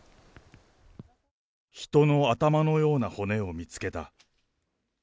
人の頭のような骨を見つけた。